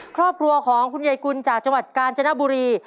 ครอบครัวของคุณยายกุลจากจังหวัดกาญจนบุรี